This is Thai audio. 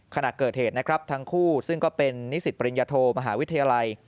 ขณะเกิดเหตุนะครับทั้งคู่ซึ่งก็เป็นนิสิตปริญญโทมหาวิทยาลัย